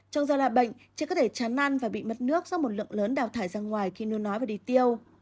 trong do là bệnh trẻ có thể chán ăn và bị mất nước do một lượng lớn đào thải ra ngoài khi nôn nói và đi tiêu